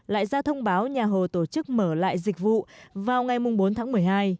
lại ra thông báo nhà hồ tổ chức mở lại dịch vụ vào ngày bốn tháng một mươi hai